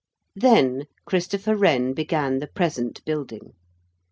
Then Christopher Wren began the present building.